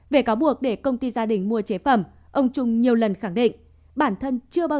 về cáo buộc để công ty gia đình mua chế phẩm ông trung nhiều lần khẳng định bản thân chưa bao